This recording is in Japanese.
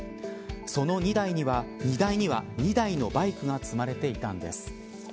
その荷台には２台のバイクが積まれていたんです。